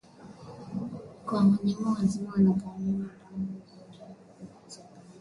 kwa wanyama wazima wanapowanyonya damu Ugonjwa huu unaweza pia kusambazwa kupitia kwa nzi